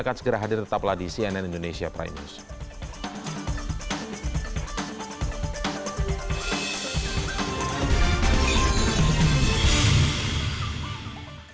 akan segera hadir tetaplah di cnn indonesia prime news